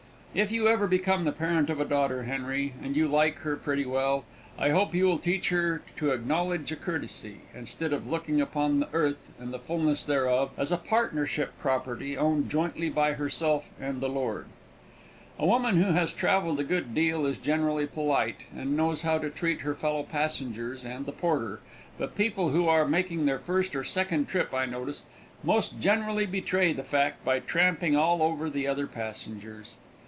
If you ever become the parent of a daughter, Henry, and you like her pretty well, I hope you will teach her to acknowledge a courtesy, instead of looking upon the earth and the fullness thereof as a partnership property, owned jointly by herself and the Lord. A woman who has traveled a good deal is generally polite, and knows how to treat her fellow passengers and the porter, but people who are making their first or second trip, I notice, most generally betray the fact by tramping all over the other passengers.